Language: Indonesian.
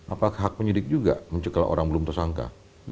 apakah hak penyidik juga mencekal orang belum tersangka